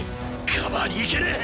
カバーに行けねえ！